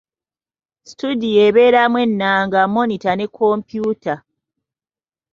Situdiyo ebeeramu ennanga, mmonita ne kompyuta.